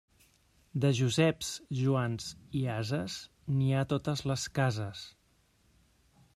De Joseps, Joans i ases, n'hi ha a totes les cases.